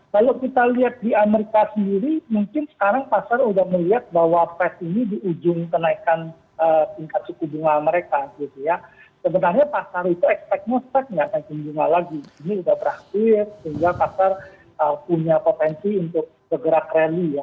kalau kita lihat di amerika sendiri mungkin sekarang pasar sudah melihat bahwa fed ini di ujung kenaikan tingkat cukup bunga amerika gitu ya